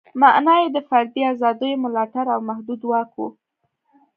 معنا یې د فردي ازادیو ملاتړ او محدود واک و.